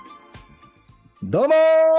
どうも！